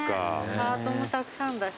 ハートもたくさんだし。